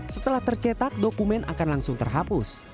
setelah tercetak dokumen akan langsung terhapus